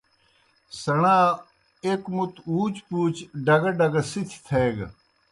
سیْݨا ایْک مُتوْ ہُوچ پُوچ ڈگہ ڈگہ سِتھیْ تھیگہ۔